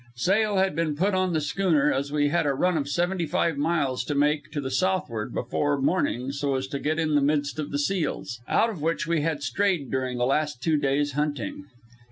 Sail had been put on the schooner, as we had a run of seventy five miles to make to the southward before morning, so as to get in the midst of the seals, out of which we had strayed during the last two days' hunting.